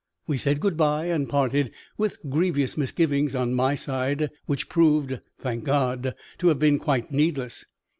We said good by, and parted, with grievous misgivings on my side, which proved (thank God!) to have been quite needless.